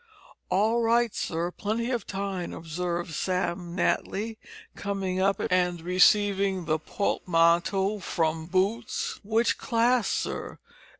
"All right sir; plenty of time," observed Sam Natly, coming up and receiving the portmanteau from boots. "Which class, sir?"